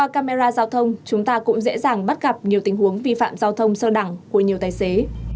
của nhiều tài xế